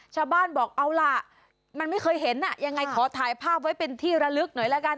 ชาวบ้านบอกเอาล่ะมันไม่เคยเห็นอ่ะยังไงขอถ่ายภาพไว้เป็นที่ระลึกหน่อยละกัน